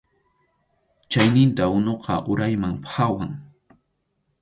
Chayninta unuqa urayman phawan.